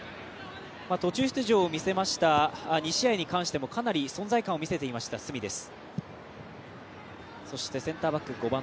途中出場を見せました、２試合に関してもかなり存在感を示していました角です。